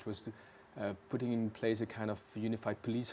hal ini telah diutamakan dalam beberapa hari